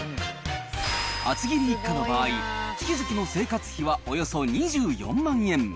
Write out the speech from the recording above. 厚切り一家の場合、月々の生活費はおよそ２４万円。